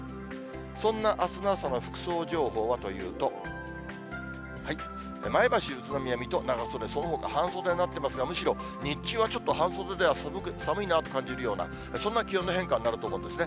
そんなあすの朝の服装情報はというと、前橋、宇都宮、水戸、長袖、そのほか半袖になってますが、むしろ、日中はちょっと半袖では寒いなと感じるような、そんな気温の変化になると思うんですね。